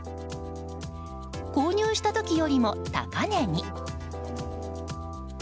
購入した時よりも高値に。